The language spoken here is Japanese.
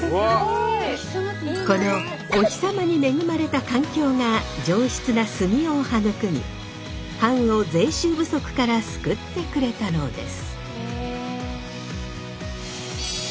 このおひさまに恵まれた環境が上質な杉を育み藩を税収不足から救ってくれたのです。